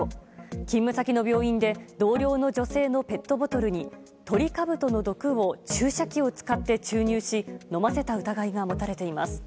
勤務先の病院で同僚の女性のペットボトルにトリカブトの毒を注射器を使って注入し飲ませた疑いが持たれています。